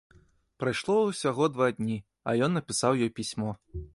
Прайшло ўсяго два дні, а ён напісаў ёй пісьмо.